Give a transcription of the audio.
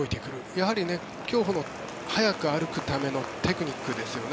やはり、競歩の速く歩くためのテクニックですよね